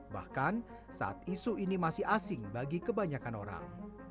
bahkan saat isu ini masih asing bagi kebanyakan orang